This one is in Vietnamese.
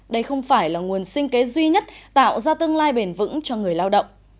đây không phải là nguồn sinh kế duy nhất tạo ra tương lai bền vững cho người lao động